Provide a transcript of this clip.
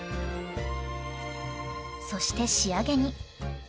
そして仕上げに。